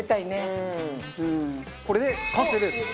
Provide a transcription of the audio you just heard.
これで完成です。